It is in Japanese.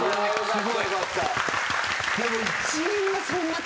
すごいな。